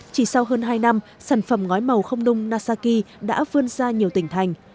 chỉ sau hơn hai năm sản phẩm ngói màu không nung nasaki đã vươn ra nhiều tỉnh thành